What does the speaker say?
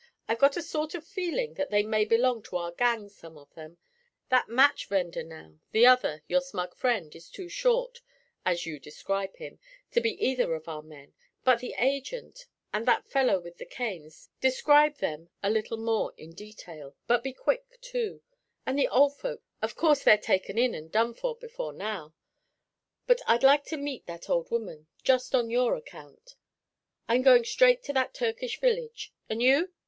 I've got a sort of feeling that they may belong to our gang, some of them that match vender now; the other, your smug friend, is too short, as you describe him, to be either of our men; but the agent, and that fellow with the canes describe them a little more in detail, but be quick, too; and the old folks of course they're taken in and done for before now; but I'd like to meet that old woman, just on your account. I'm going straight to that Turkish village; and you?'